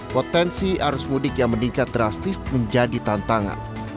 potensi arus mudik yang meningkat drastis menjadi tantangan